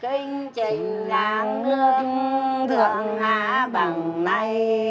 kinh trình làng nước thượng hạ bằng nay